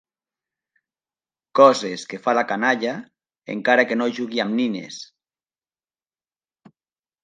Coses que fa la canalla, encara que no jugui amb nines.